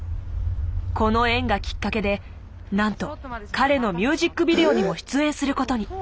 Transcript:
この縁がきっかけでなんと彼のミュージックビデオにも出演することに。